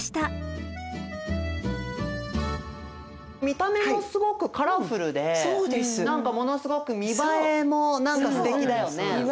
見た目もすごくカラフルで何かものすごく見栄えも何かすてきだよね。